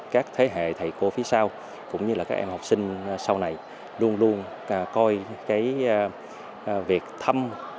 các thế hệ thầy cô phía sau cũng như là các em học sinh sau này luôn luôn coi cái việc thăm